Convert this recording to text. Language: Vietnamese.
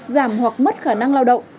giảm hoặc mất khả năng lao động